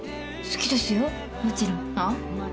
好きですよもちろん。は？